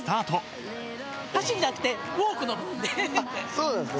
そうなんですか？